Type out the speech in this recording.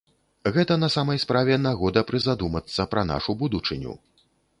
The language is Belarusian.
Гэта на самай справе нагода прызадумацца пра нашу будучыню.